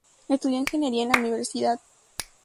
Estudió ingeniería en la universidad.